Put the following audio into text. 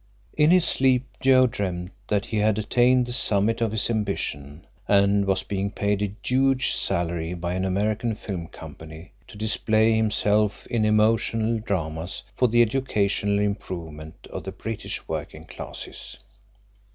In his sleep Joe dreamed that he had attained the summit of his ambition, and was being paid a huge salary by an American film company to display himself in emotional dramas for the educational improvement of the British working classes.